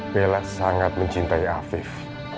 bella sangat mencintai afif